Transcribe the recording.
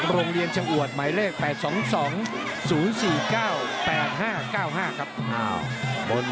โรงเรียนชะอวดหมายเลข๘๒๒๐๔๙๘๕๙๕ครับ